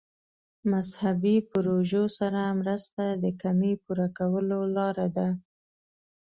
مذهبي پروژو سره مرسته د کمۍ پوره کولو لاره ده.